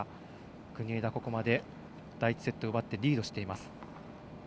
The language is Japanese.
国枝、ここまで第１セット奪ってリードしています。